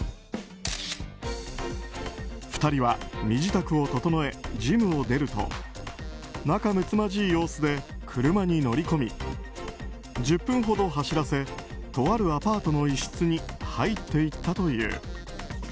２人は身支度を整えジムを出ると仲むつまじい様子で車に乗り込み１０分ほど走らせとあるアパートの一室に入っていったという。